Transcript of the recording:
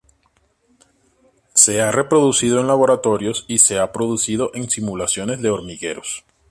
Se ha reproducido en laboratorios y se ha producido en simulaciones de hormigueros.